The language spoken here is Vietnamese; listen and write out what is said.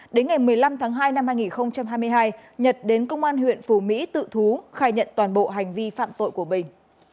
đến ngày một mươi năm tháng hai năm hai nghìn hai mươi hai nhật đến công an huyện phù mỹ tự thú khai nhận toàn bộ hành vi phạm tội của bình